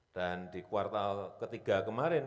dan di kuartal ketiga kemarin